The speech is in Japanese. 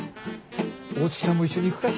大月さんも一緒に行くか？